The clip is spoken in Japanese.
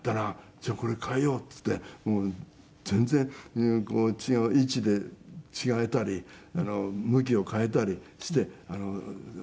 じゃあこれ変えようっていってもう全然違う位置で違えたり向きを変えたりして。